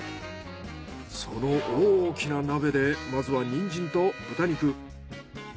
その大きな鍋でまずはニンジンと豚肉。